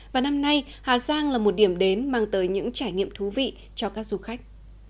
và năm nay hà giang là một điểm đến mang tới những trải nghiệm thú vị cho các du khách